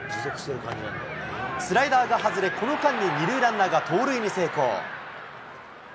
スライダーが外れ、この間に２塁ランナーが盗塁に成功。